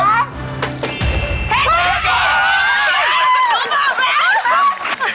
เผก